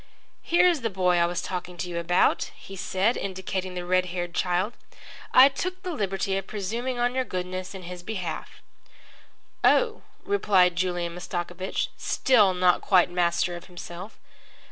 "Here's the boy I was talking to you about," he said, indicating the red haired child. "I took the liberty of presuming on your goodness in his behalf." "Oh," replied Julian Mastakovich, still not quite master of himself.